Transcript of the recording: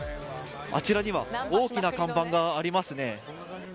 あちらには大きな看板がありますね。